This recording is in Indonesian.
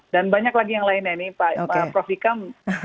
dan banyak lagi yang lain ya nih mbak prof ikam